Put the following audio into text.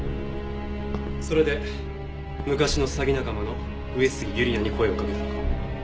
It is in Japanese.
それで昔の詐欺仲間の上杉由莉奈に声をかけたのか。